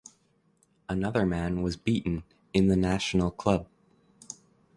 Another man was beaten in the National Club.